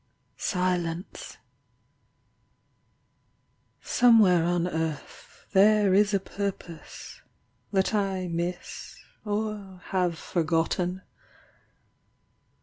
SILENCE— Somewhere on earth There is a purpose that I miss or have forgotten.